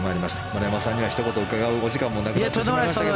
丸山さんにはひと言伺うお時間もなくなってしまいましたが。